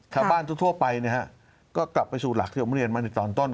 ทางบ้านทั่วไปนะครับก็กลับไปสู่หลักที่ผมเรียนมาตอนต้น